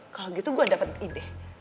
kalau gitu gue dapet ide